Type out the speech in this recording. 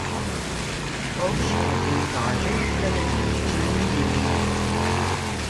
Polž roge pokaže, kadar ga nihče ne vidi.